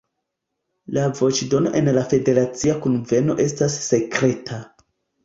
La voĉdono en la Federacia Kunveno estas sekreta.